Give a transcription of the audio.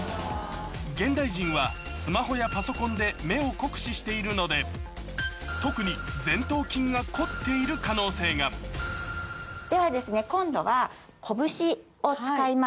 現代人はスマホやパソコンで目を酷使しているので特に前頭筋が凝っている可能性がでは今度は拳を使います。